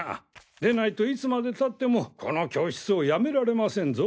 でないといつまでたってもこの教室をやめられませんぞ。